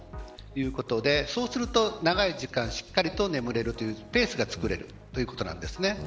いうことでそうすると長い時間しっかりと眠れるというペースが作れるということです。